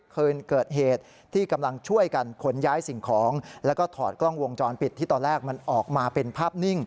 คืนเกิดเหตุที่กำลังช่วยกันขนย้ายสิ่งของแล้วก็ถอดกล้องวงจรปิดที่ตอนแรกมันออกมาเป็นภาพนิ่ง